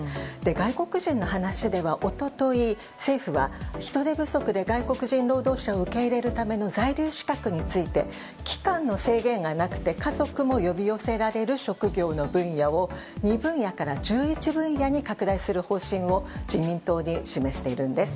外国人の話では一昨日、政府は人手不足で外国人労働者を受け入れるための在留資格について期間の制限がなくて家族も呼び寄せられる職業の分野を２分野から１１分野に拡大する方針を自民党に示しているんです。